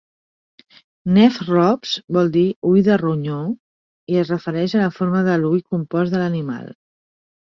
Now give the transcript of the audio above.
"Nephrops" vol dir "ull de ronyó" i es refereix a la forma de l'ull compost de l'animal.